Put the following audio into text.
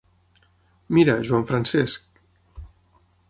Mira, Joan Francesc.